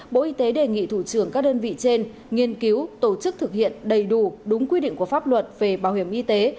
bộ y tế đề nghị thủ trưởng các đơn vị trên nghiên cứu tổ chức thực hiện đầy đủ đúng quy định của pháp luật về bảo hiểm y tế